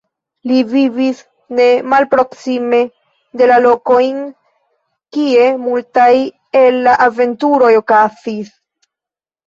Li vivis ne malproksime de la lokojn, kie multaj el la aventuroj okazis.